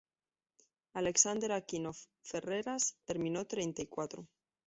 Alexander Aquino Ferreras terminó treinta y cuatro.